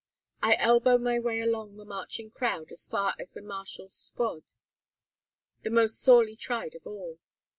I elbow my way along the marching crowd as far as Marchal's squad, the most sorely tried of all.